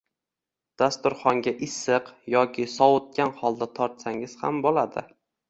Dasturxonga issiq yoki sovitgan holda tortsangiz ham bo‘ladi